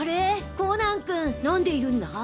コナン君何でいるんだ？